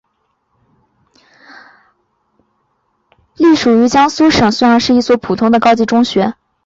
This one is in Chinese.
溧阳市光华高级中学是隶属于江苏省溧阳市的一所普通高级中学。